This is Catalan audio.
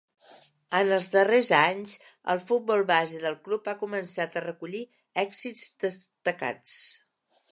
En els darrers anys, el futbol base del club ha començat a recollir èxits destacats.